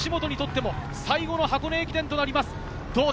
岸本にとっても最後の箱根駅伝となります。